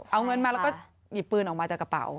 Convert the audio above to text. เอาเงินมาแล้วก็หยิบปืนออกมาจากกระเป๋า